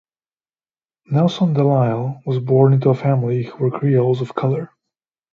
Nelson Delisle was born into a family who were Creoles of Color.